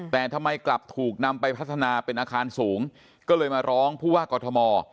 แต่ทำไมกลับถูกนำไปพัฒนาเป็นอาคารสูงก็เลยมาร้องผู้ว่ากอทม